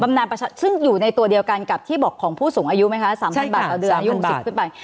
อายุไหมคะ๓๐๐๐บาทประเดือนอายุ๑๐ขึ้นไป